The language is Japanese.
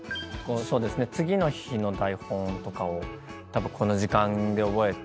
次の日の台本とかをたぶんこの時間で覚えてますね。